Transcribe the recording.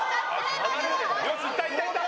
よしいったいったいった！